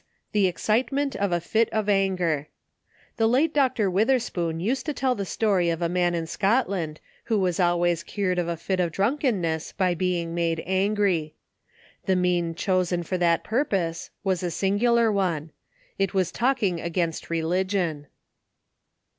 The excitement of a fit of anger. The late Dr. Witherspoon, used to tell a story of a man in Scotland, who was always cured of a fit of drunkenness, by being made angry. The means chosen for that purpose, was a singular one. It was talking against religion.